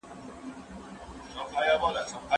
ډاکټران د ټولنې خدمت کوي.